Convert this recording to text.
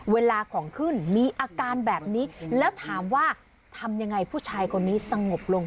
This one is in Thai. เวลาของขึ้นมีอาการแบบนี้แล้วถามว่าทำยังไงผู้ชายคนนี้สงบลง